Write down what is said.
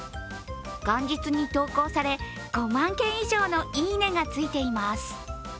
元日に投稿され、５万件以上のいいねがついています。